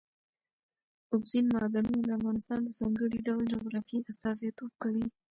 اوبزین معدنونه د افغانستان د ځانګړي ډول جغرافیه استازیتوب کوي.